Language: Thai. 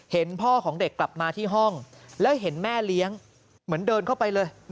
เห็นพ่อของเด็กกลับมาที่ห้องแล้วเห็นแม่เลี้ยงเหมือนเดินเข้าไปเลย